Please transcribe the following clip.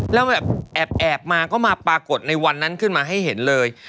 แล้วแบบแอบมาก็มาปรากฏในวันนั้นขึ้นมาให้เห็นเลย